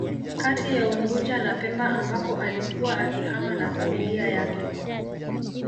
Kati ya unguja na pemba ambapo alikuwa akihama na familia yake